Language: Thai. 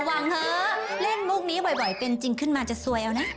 หวังเถอะเล่นมุกนี้บ่อยเป็นจริงขึ้นมาจะซวยเอานะ